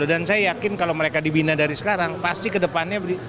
dan saya yakin kalau mereka dibina dari sekarang pasti kedepannya